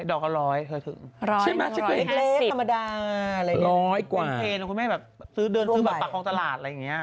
ดอกก็ร้อยเคยถึงแคสสิบร้อยกว่าคุณแม่แบบซื้อเดินซื้อบัตรปลาของตลาดอะไรอย่างเนี่ย